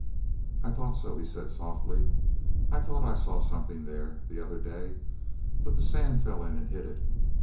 "I thought so," he said softly. "I thought I saw something there the other day, but the sand fell in and hid it.